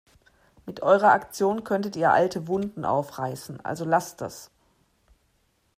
Mit eurer Aktion könntet ihr alte Wunden aufreißen, also lasst das!